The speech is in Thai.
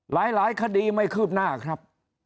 หลายคดีไม่คืบหน้าครับ